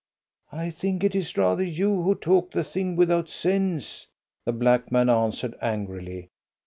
"I think it is rather you who talk the thing without sense," the black man answered angrily.